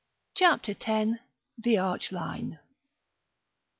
CHAPTER X. THE ARCH LINE.